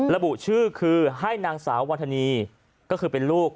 ระบุชื่อคือให้นางสาววัฒนีก็คือเป็นลูก